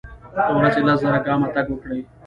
د ورځي لس زره ګامه تګ وکړئ.